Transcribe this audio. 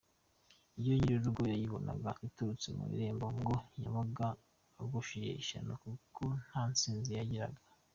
Iyo nyirurugo yayibonaga iturutse mu irembo ngo yabaga agushije ishyano kuko nta ntsinzi yagiraga.